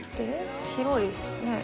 「広いですね」